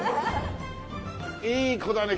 いい子だね君は。